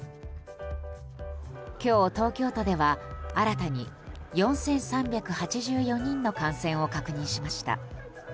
今日、東京都では新たに４３８４人の感染を確認しました。